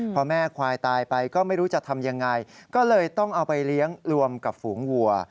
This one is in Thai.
พอแม่ควายตายไปก็ไม่รู้จะทำยังไงก็เลยต้องเอาไปเลี้ยงรวมกับฝูงวัว